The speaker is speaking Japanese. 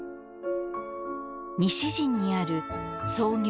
西陣にある創業